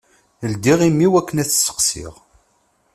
Ldiɣ imi-w akken ad t-steqsiɣ.